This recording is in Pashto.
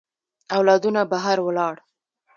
اولادونه بهر ولاړ.